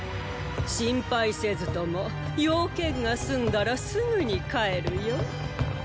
心配せずとも用件がすんだらすぐに帰るよ。